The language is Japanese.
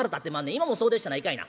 今もそうでっしゃないかいな。